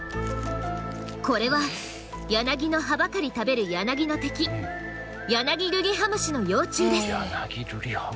これはヤナギの葉ばかり食べるヤナギルリハムシの幼虫。